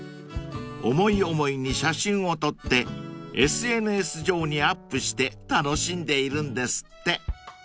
［思い思いに写真を撮ってＳＮＳ上にアップして楽しんでいるんですって］